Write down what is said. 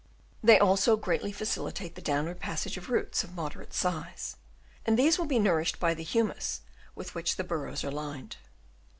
They also greatly facilitate the downward passage of roots of moderate size ; and these will be nourished by the humus with which the burrows are lined.